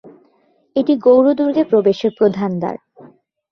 এটি গৌড় দুর্গে প্রবেশের প্রধান দ্বার।